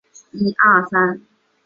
眼斑棘蛙为蛙科蛙属的两栖动物。